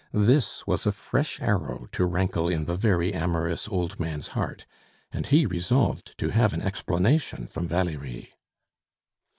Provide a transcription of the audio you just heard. This was a fresh arrow to rankle in the very amorous old man's heart, and he resolved to have an explanation from Valerie.